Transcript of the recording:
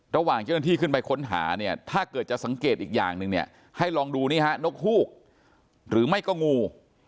ระหว่างเจ้าหน้าที่ขึ้นไปค้นหาเนี่ยถ้าเกิดจะสังเกตอีกอย่างหนึ่งเนี่ยให้ลองดูนี่ฮะนกฮูกหรือไม่ก็งู